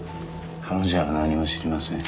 彼女は何も知りません